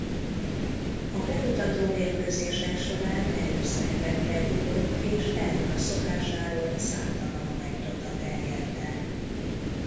A bemutató mérkőzések során előszeretettel ivott és erről a szokásáról számtalan anekdota terjedt el.